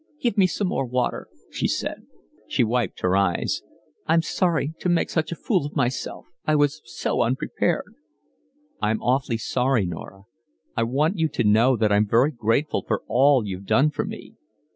"Give me some more water," she said. She wiped her eyes. "I'm sorry to make such a fool of myself. I was so unprepared." "I'm awfully sorry, Norah. I want you to know that I'm very grateful for all you've done for me."